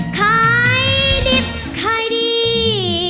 ขายดิบขายดี